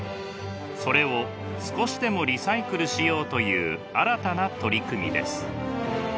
それを少しでもリサイクルしようという新たな取り組みです。